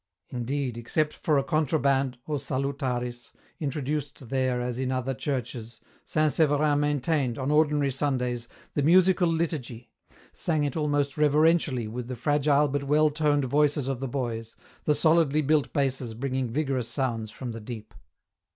Indeed, except for a contraband "O Salutaris," intro duced there as in other churches, St. Severin maintained, on ordinary Sundays, the musical liturgy, sang it almost reverentially with the fragile but well toned voices of the boys, the solidly built basses bringing vigorous sounds from the deep.